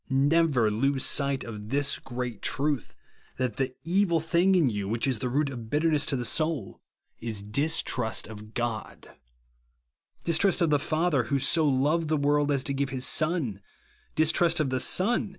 Never lose sight of this great truth, that the evil thing in you, which is the root of bitter ness to the soul, is distrust of God ; dis trust of the Father, who so loved the world as to give his Son ; distrust of the Son.